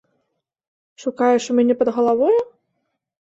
Шукаеш у мяне пад галавою?